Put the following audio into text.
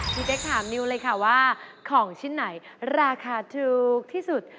เจ๊กถามนิวเลยค่ะว่าของชิ้นไหนราคาถูกที่สุด